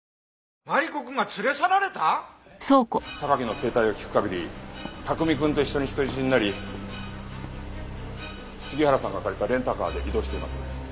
榊の携帯を聞く限り卓海くんと一緒に人質になり杉原さんが借りたレンタカーで移動しています。